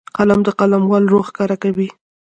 قلم د قلموالو روح ښکاره کوي